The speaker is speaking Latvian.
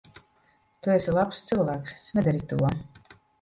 Tu esi labs cilvēks. Nedari to.